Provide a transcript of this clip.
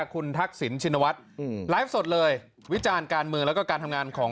คุณทักษิณชินวัฒน์ไลฟ์สดเลยวิจารณ์การเมืองแล้วก็การทำงานของ